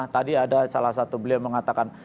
tadi ada salah satu beliau mengatakan